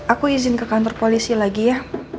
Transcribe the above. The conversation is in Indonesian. aku izin ke kantor polisi lagi ya